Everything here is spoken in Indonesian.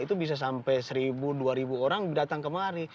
itu bisa sampai seribu dua ribu orang datang kemari